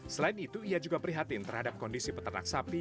selain itu ia juga prihatin terhadap kondisi peternak sapi